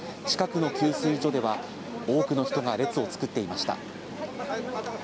近くの給水所では多くの人が列を作っていました。